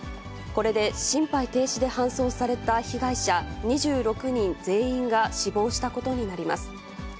これで心肺停止で搬送された被害者２６人全員が死亡したことになります。